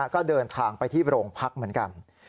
ก็เดินทางไปที่โรงพักเหมือนกัน